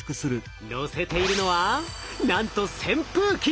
載せているのはなんと扇風機！